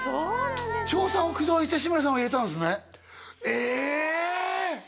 長さんを口説いて志村さんを入れたんですねえ！